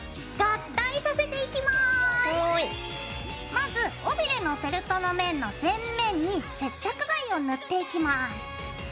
まず尾びれのフェルトの面の全面に接着剤を塗っていきます。